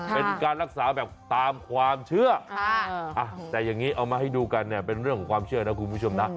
เป็นการรักษาแบบตามความเชื่อแต่อย่างนี้เอามาให้ดูกันเนี่ยเป็นเรื่องของความเชื่อนะคุณผู้ชมนะ